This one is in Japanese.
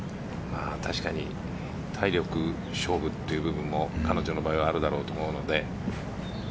確かに体力勝負という部分も彼女の場合はあると思うので。